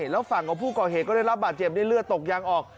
แล้วฝั่งของผู้ก่อเหตุก็ได้รับบาดเจ็บด้วยเลือดตกยางออก